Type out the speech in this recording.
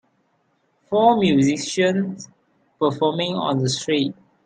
Four musicians performing on the street.